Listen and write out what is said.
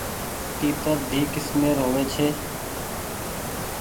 تيترۮي ڪسمير هووي ڇي۔